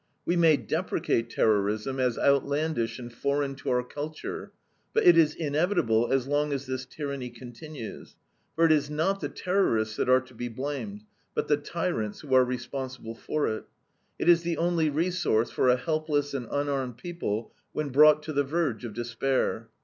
We may deprecate terrorism as outlandish and foreign to our culture, but it is inevitable as long as this tyranny continues, for it is not the terrorists that are to be blamed, but the tyrants who are responsible for it. It is the only resource for a helpless and unarmed people when brought to the verge of despair.